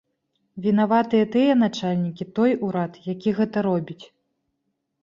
Вінаватыя тыя начальнікі, той урад, які гэта робіць.